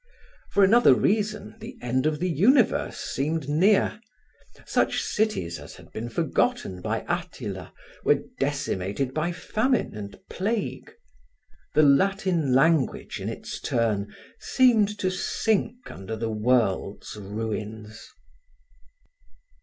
For another reason, the end of the universe seemed near; such cities as had been forgotten by Attila were decimated by famine and plague. The Latin language in its turn, seemed to sink under the world's ruins.